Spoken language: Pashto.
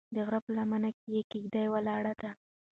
د غره په لمنه کې کيږدۍ ولاړې دي.